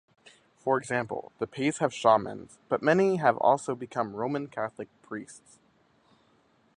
For example, the Paez have shamans but many have also become Roman Catholic priests.